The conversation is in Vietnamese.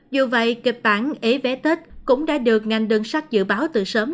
dù vậy kịch bản ế vé tết cũng đã được ngành đơn sát dự báo từ sớm